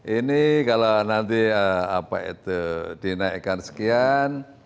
ini kalau nanti dinaikkan sekian